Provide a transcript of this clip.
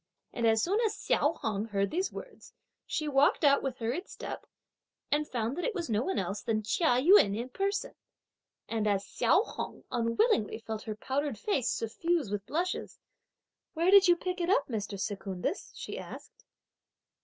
and as soon as Hsiao Hung heard these words, she walked out with hurried step and found that it was no one else than Chia Yün in person; and as Hsiao Hung unwillingly felt her powdered face suffused with brushes: "Where did you pick it up, Mr. Secundus?" she asked.